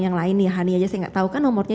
yang lain ya hani saja saya tidak tahu kan nomornya